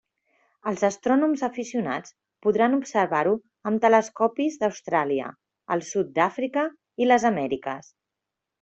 Els astrònoms aficionats podran observar-ho amb telescopis d'Austràlia, el sud d'Àfrica i les Amèriques.